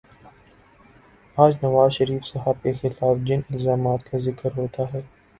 آج نوازشریف صاحب کے خلاف جن الزامات کا ذکر ہوتا ہے،